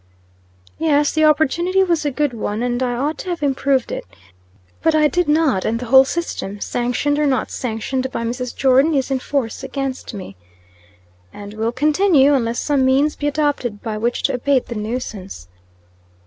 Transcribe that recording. "Yes, the opportunity was a good one, and I ought to have improved it. But I did not and the whole system, sanctioned or not sanctioned by Mrs. Jordon, is in force against me." "And will continue, unless some means be adopted by which to abate the nuisance."